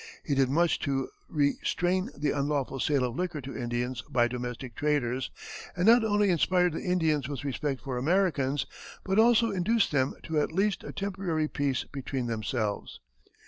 He did much to restrain the unlawful sale of liquor to Indians by domestic traders, and not only inspired the Indians with respect for Americans, but also induced them to at least a temporary peace between themselves.